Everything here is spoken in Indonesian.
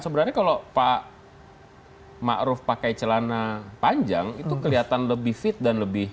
sebenarnya kalau pak ma'ruf pakai celana panjang itu kelihatan lebih fit dan lebih